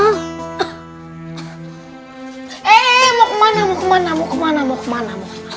eh mau kemana mau kemana mau kemana mau kemana